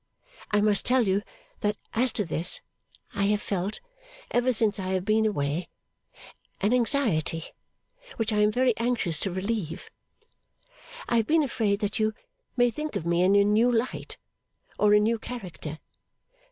I must tell you that as to this, I have felt, ever since I have been away, an anxiety which I am very anxious to relieve. I have been afraid that you may think of me in a new light, or a new character.